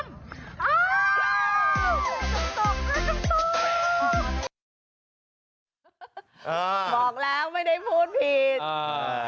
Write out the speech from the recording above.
บอกแล้วไม่ได้พูดผิดอ่า